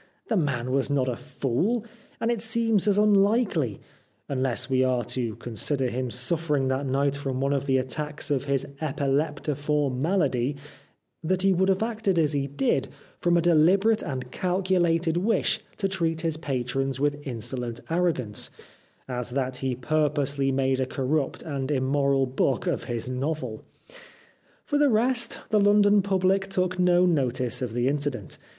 The man was not a fool, and it seems as unlikely — unless we are to consider him suffering that night from one of the attacks of his epileptiform malady — that he would have acted as he did from a deliberate and calculated wish to treat his patrons with insolent arrogance, as that he purposely made a corrupt and im moral book of his novel. For the rest, the London public took no notice of the incident.